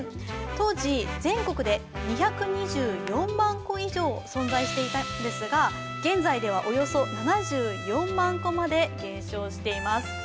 当時、全国で２２４万個以上存在していたんですが現在ではおよそ７４万個まで減少しています。